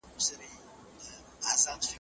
يو کار ښه ګڼل بل بد ګڼل څه ډول کېږي.